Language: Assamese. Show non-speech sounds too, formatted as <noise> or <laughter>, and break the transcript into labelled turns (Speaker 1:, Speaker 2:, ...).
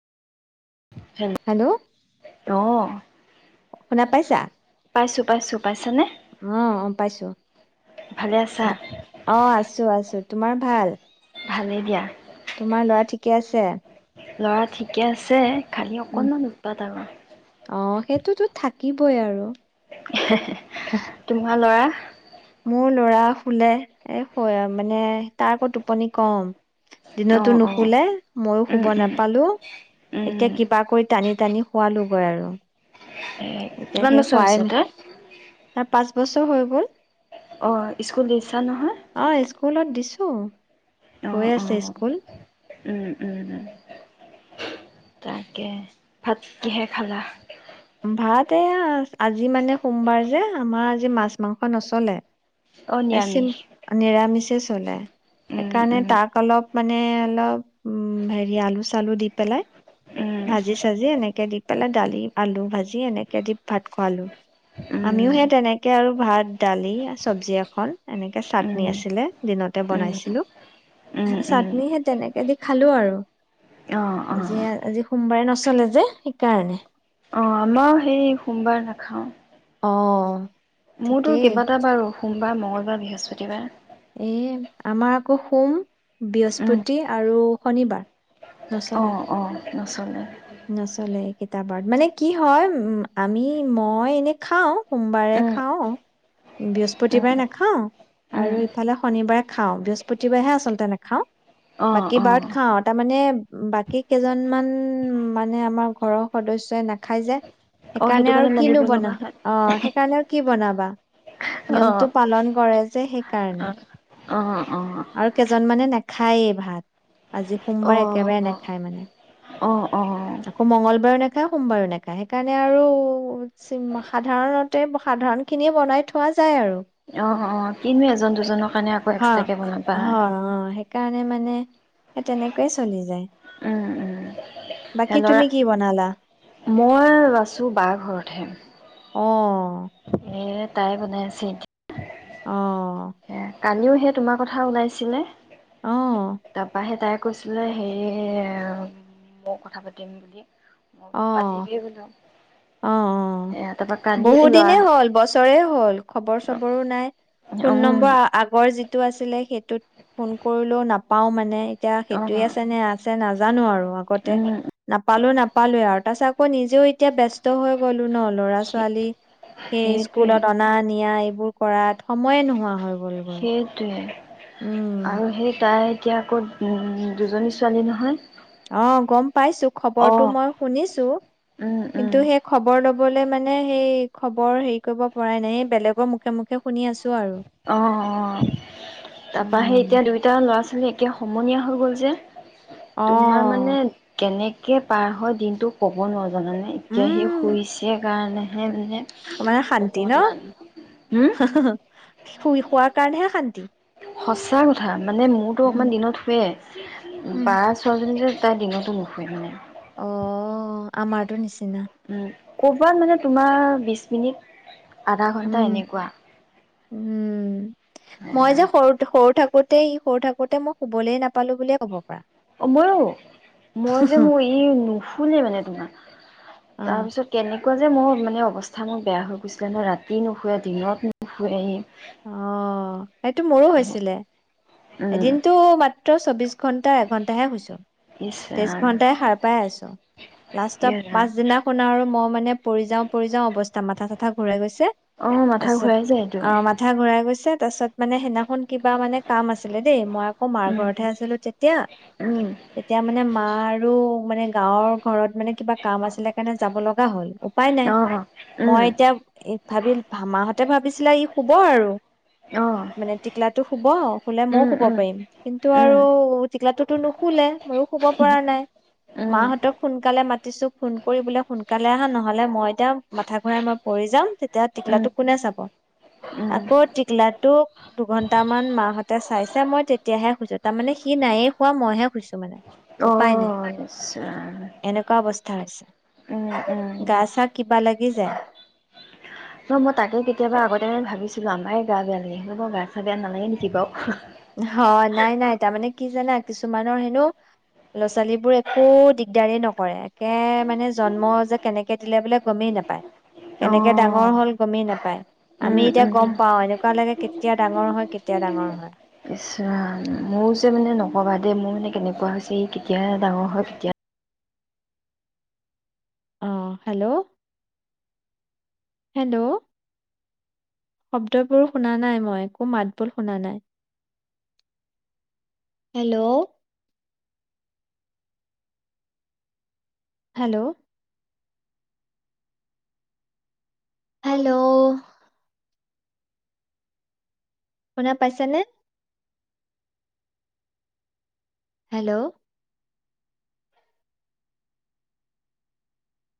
Speaker 1: হেল্ল',
Speaker 2: অ'
Speaker 1: শুনা পাইছা?
Speaker 2: পাইছোঁ পাইছোঁ পাইছানে
Speaker 1: অ অ পাইছো
Speaker 2: ভালে আছা
Speaker 1: অ আছো আছো তোমাৰ ভাল
Speaker 2: ভালেই দিয়া।
Speaker 1: তোমাৰ ল'ৰা ঠিকে আছে
Speaker 2: ল'ৰা ঠিকে আছে। খালি
Speaker 1: উম
Speaker 2: অকণমান উৎপাত আৰু
Speaker 1: অ সেইটোতো থাকিবই আৰু
Speaker 2: হে হে তোমাৰ ল'ৰা
Speaker 1: মোৰ ল'ৰা শুলে এ হয় মানে তাৰ আকৌ টোপনি কম দিনতো
Speaker 2: অ' অ'
Speaker 1: নুশুলে ময়ো
Speaker 2: উম
Speaker 1: শুব
Speaker 2: উম
Speaker 1: নেপালো
Speaker 2: উম
Speaker 1: এতিয়া কিবা কৰি টানি তানি শোৱালোগৈ আৰু
Speaker 2: এ
Speaker 1: এতিয়া
Speaker 2: কিমান
Speaker 1: সেই
Speaker 2: বছৰ
Speaker 1: শুৱাই
Speaker 2: হৈছে তাৰ?
Speaker 1: তাৰ পাঁচ বছৰ হৈ গ'ল।
Speaker 2: অহ, স্কুল দিছা নহয়? অ'
Speaker 1: গৈয়ে আছে
Speaker 2: অ'
Speaker 1: স্কুল
Speaker 2: উম উম তাকে ভাত কিহে খালা
Speaker 1: ভাত এয়া আজি মানে সোমবাৰ যে আমাৰ আজি মাছ মাংস নচলে
Speaker 2: অ'
Speaker 1: এ চিম
Speaker 2: নিৰামিষ
Speaker 1: নিৰামিষ ছল <unintelligible>
Speaker 2: উম
Speaker 1: সেইকাৰণে
Speaker 2: উম
Speaker 1: তাক অলপ মানে অলপ উম হেৰি আলু চালু দি পেলাই
Speaker 2: উম
Speaker 1: ভাজি চাজি এনেকে দি পেলাই দালি আলু ভাজি এনেকে দি ভাত খোৱালো আমিও
Speaker 2: উম
Speaker 1: সে তেনেকে আৰু ভাত দালি চব্জি এখন এনেকে চাটনি
Speaker 2: উম
Speaker 1: আছিলে দিনতে
Speaker 2: উম
Speaker 1: বনাইছিলো
Speaker 2: উম উম
Speaker 1: চাটনি সেই তেনেকে দি খালো আৰু
Speaker 2: অ'
Speaker 1: আজি
Speaker 2: অ'
Speaker 1: আজি সোমবাৰে নচলে যে সেইকাৰণে
Speaker 2: অ আমাৰ সেই সোমবাৰ নেখাও
Speaker 1: অ'
Speaker 2: মোৰটো
Speaker 1: ঠিকেই।
Speaker 2: কেইবাটা বাৰু সোমবাৰ মঙ্গলবাৰ বৃহস্পতিবাৰ
Speaker 1: এ আমাৰ আকৌ সোম,
Speaker 2: উম
Speaker 1: বৃহস্পতি আৰু শনিবাৰ নচলে
Speaker 2: অ', অ', নচলে।
Speaker 1: নচলে কেইতা বাৰত মানে কি হয় উ আমি মই এনেই খাওঁ সোমবাৰে
Speaker 2: উম
Speaker 1: খাওঁ
Speaker 2: উম
Speaker 1: বৃহস্পতিবাৰে নেখাওঁ আৰু
Speaker 2: উম
Speaker 1: ইফালে শনিবাৰে খাওঁ বৃহস্পতিবাৰে হে আচলতে নেখাওঁ
Speaker 2: অ',
Speaker 1: বাকী বাৰত
Speaker 2: অ',
Speaker 1: খাওঁ তাৰমানে বাকী কেইজনমান মানে আমাৰ ঘৰৰ সদস্যই নেখাই যে
Speaker 2: অ', সেইটো
Speaker 1: সেইকাৰণে
Speaker 2: কাৰণে
Speaker 1: আৰু
Speaker 2: মানিব
Speaker 1: কিনো বনা
Speaker 2: লগা হয়
Speaker 1: অ সেইকাৰণে আৰু কি বনাবা?
Speaker 2: অ',
Speaker 1: নিয়মটো পালন কৰে যে সেইকাৰণে।
Speaker 2: অ', অ' অ', অ',
Speaker 1: আৰু কেইজন মানে নে খায়েই ভাত আজি সোমবাৰে একেবাৰে
Speaker 2: অ',
Speaker 1: নাখায় মানে
Speaker 2: অ', অ',
Speaker 1: আকৌ মঙ্গলবাৰেও নাখায় সোমবাৰেও নাখায় সেইকাৰণে আৰু সাধাৰণতে সাধাৰণ খিনিয়ে বনাই থোৱা যায় আৰু
Speaker 2: অ' কিনো এজন দুজনৰ কাৰণে আকৌ এক্সট্ৰাকে বনাম।
Speaker 1: অ' অ' সেইকাৰণে মানে সেই তেনেকৈ চলি যায়।
Speaker 2: উম
Speaker 1: বাকী তুমি কি বনালা?
Speaker 2: <unintelligible> মই আছো বাৰ ঘৰতহে।
Speaker 1: অ'
Speaker 2: <unintelligible> তাই বনাই আছে
Speaker 1: অ'।
Speaker 2: এতিয়া কালিও সে তোমাৰ কথা ওলাইছিলে।
Speaker 1: অ
Speaker 2: তাপাহে তাই কৈছিলে হেৰি মই কথা পাতিম বুলি। মই বোলো
Speaker 1: অ',
Speaker 2: পাতিবিয়ে বোলো।
Speaker 1: অ', অ',
Speaker 2: এ তাৰপৰা কালি ল'ৰা
Speaker 1: বহুদিনে হ'ল, বছৰে হ'ল, খবৰ চবৰো নাই ফোন
Speaker 2: উম
Speaker 1: নম্বৰ আগ গৰ যিটো আছিলে সেইটোত ফোন কৰিলেও নাপাওঁ মানে এতিয়া
Speaker 2: অ'
Speaker 1: সেইটোৱে আছে নে আছে নাজানো আৰু আগতে
Speaker 2: উম
Speaker 1: নাপালো নাপ পালোৱে আৰু তাৰপাছত আকৌ নিজেও এতিয়া ব্যস্ত হৈ গ'লো ন। ল'ৰা ছোৱালী সেই
Speaker 2: সেইটোৱে
Speaker 1: স্কুলত অনা নিয়া এইবোৰ কৰাত সময়ে নোহোৱা হয়।
Speaker 2: সেইটোৱে। আৰু সেই তাই এতিয়া আকৌ উম দুজনী ছোৱালী নহয়।
Speaker 1: অ', কম পাইছো খবৰটো
Speaker 2: অ'
Speaker 1: মই শুনিছো,
Speaker 2: উম উম
Speaker 1: কিন্তু সেই খবৰ ল'ব বলে মানে হেই খবৰ হেৰি কৰিব পৰাই নাই বেলেগৰ মুখে, মুখে শুনি আছো আৰু
Speaker 2: অ', অ', তাপা সেই
Speaker 1: উম
Speaker 2: এতিয়া দুইটা ল'ৰা ছোৱালী একে সমনীয়া হৈ গ'ল যে। তোমাৰ মানে
Speaker 1: অ',
Speaker 2: কেনে কে পাৰ হয়, দিনটো ক'ব নোৱা জানানে এতিয়া সি
Speaker 1: উম,
Speaker 2: শুইছে কাৰণে মানে
Speaker 1: মানে শান্তি ন?
Speaker 2: অকণমান। উম
Speaker 1: শুই শোৱাৰ কাৰণেহে শান্তি।
Speaker 2: সঁচা কথা। মানে মোৰতো
Speaker 1: উম,
Speaker 2: অকণমান দিনত শোৱে
Speaker 1: উম।
Speaker 2: বা ছোৱালীজনী যে তাই দিনত টো নুশুৱে মানে।
Speaker 1: অ' আমাৰ টো নিচিনা
Speaker 2: উম। ক'বাত মানে তোমাৰ বিশ মিনিট আধা
Speaker 1: উ
Speaker 2: ঘন্টা এনেকুৱা
Speaker 1: উম মই যে সৰু সৰু থাকো থাকোতেই ই সৰু থাকোতে মই শুবলে নাপালো বুলিয় ক'ব পাৰা।
Speaker 2: অ মইয়ো মই যে মোৰ ই নুফুলে মানে তোমাৰ
Speaker 1: অ',
Speaker 2: তাৰপিছত কেনেকে এনেকুৱা যে মোৰ মানে অৱস্থা মোৰ বেয়া হৈ গৈছিলে নহয় ৰাতি নুশুৱে দিনত নুশুৱে সি
Speaker 1: অ সেইটো মোৰো হৈছিলে
Speaker 2: উম
Speaker 1: এদিনতো মাত ত চৌবিশ ঘন্টা এঘন্টাহে শুইছো
Speaker 2: ইচ
Speaker 1: তেইশ
Speaker 2: ৰাম
Speaker 1: ঘন্টাই সাৰ পাই আছো লাষ্টত
Speaker 2: ইয়ে ৰাম
Speaker 1: পাছদিনাখন আৰু মই মানে পৰি যাও পৰি যাও অৱস্থা মাথা চাথা ঘূৰাই গৈছে
Speaker 2: অ
Speaker 1: তাৰ
Speaker 2: মাথা
Speaker 1: পিছত
Speaker 2: ঘূৰাই যায় এইটো
Speaker 1: আহ গৈছে তাৰ পিছত মানে সেই দিনা খন কিবা মানে কাম আছিলে দেই মই আকৌ মাৰ
Speaker 2: উম
Speaker 1: ঘৰতহে আছিলো তেতিয়া
Speaker 2: উম
Speaker 1: তেতিয়া মানে মা আৰু মানে গাঁৱৰ ঘৰত মানে কিবা কাম আছিলে কাৰণে যাব লগা হ'ল উপায় নাই
Speaker 2: অ উম
Speaker 1: মই এতিয়া ভাবিল মাহত তে ভাবিছিলে ই শুব আৰু
Speaker 2: অ
Speaker 1: মানে টিকলাটো শুব শুলে মইও
Speaker 2: উম
Speaker 1: শুব
Speaker 2: উম
Speaker 1: পাৰিম কিন্তু আৰু
Speaker 2: উম
Speaker 1: টিকলাটো টো নুশুলে। মইয়ো শুব পৰা নাই মাহঁতক সোনকালে মা মাতিছো ফোন কৰি বোলে সোনকালে আহা নহলে মই এতিয়া মাথা ঘূৰাই মই পৰি যাম। তেতিয়া টিকলাটো কোনে চাব?
Speaker 2: উম
Speaker 1: আকৌ টিকলাটোক দুঘন্টামান মাঁহতে চাইছে মই তেতিয়াহে শুইছো। তাৰমানে সি নাইয়ে শুৱা মইহে শুইছো মানে। <unintelligible>
Speaker 2: অ' আচ্ছা
Speaker 1: এনেকুৱা বস্তু
Speaker 2: উম উম
Speaker 1: গা চা কিবা লাগি যায়
Speaker 2: ন মই তাকে কেতিয়াবা আগতে ম ভাবিছিলো আমাৰ গা বেয়া লাগে <unintelligible> গা চা বেয়া নালাগে নেকি বাৰু
Speaker 1: হয় নাই নাই তাৰমানে কি জানা কিছুমানৰ হেনো ল'ৰা ছোৱালীবোৰ একো দিগদাৰে নকৰে একে মানে জন্ম যে কেনেকে দিলে বোলে গমেই নাপায় কেনেকে
Speaker 2: অ'
Speaker 1: ডাঙৰ হ'ল গমেই নাপায়
Speaker 2: উম
Speaker 1: আমি এতিয়া
Speaker 2: উম
Speaker 1: গম পাও এনেকুৱা লাগে কেতিয়া ডাঙৰ হয় কেতিয়া ডাঙৰ হয়
Speaker 2: ইছ ৰাম মোৰ যে মানে নক'বা দে মোৰ মানে কেনেকুৱা হৈছে ই কেতিয়া ডাঙৰ হয় কেতিয়া
Speaker 1: অ হেল্ল'। হেল্ল' শব্দবোৰ শুনা নাই মই একো মাতবোৰ শুনা নাই হেল্ল'। হেল্ল' হেল্ল' শুনা পাইছা নে হেল্ল'